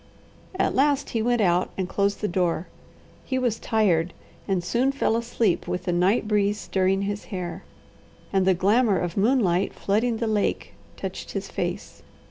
At last he went out and closed the door. He was tired and soon fell asleep with the night breeze stirring his hair, and the glamour of moonlight flooding the lake touched his face.